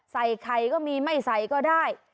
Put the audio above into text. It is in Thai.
ใส่ไข่ก็มีไม่ใส่ก็ได้